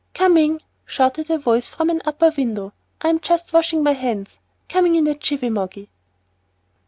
"Coming," shouted a voice from an upper window; "I'm just washing my hands. Coming in a jiffy, Moggy."